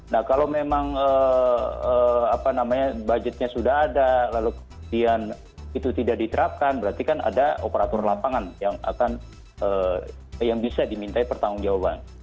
nah kalau memang budgetnya sudah ada lalu kemudian itu tidak diterapkan berarti kan ada operator lapangan yang bisa dimintai pertanggung jawaban